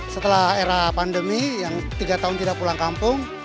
setelah era pandemi yang tiga tahun tidak pulang kampung